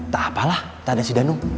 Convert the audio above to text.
tak apalah tak ada si danu